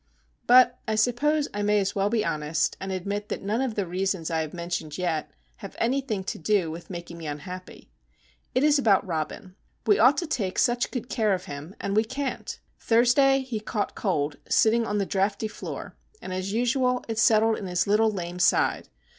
But I suppose I may as well be honest and admit that none of the reasons I have mentioned yet have anything to do with making me unhappy. It is about Robin. We ought to take such good care of him,—and we can't! Thursday he caught cold sitting on the draughty floor; and, as usual, it settled in his little lame side.